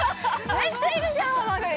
◆めっちゃいるじゃんハマグリ！